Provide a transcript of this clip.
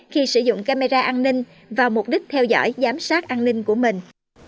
khi sử dụng camera an ninh và mục đích theo dõi giám sát an ninh của mình